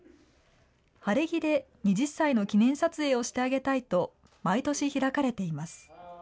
晴れ着で２０歳の記念撮影をしてあげたいと、毎年開かれています。